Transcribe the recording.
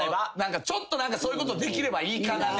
ちょっとそういうことできればいいかな狙い。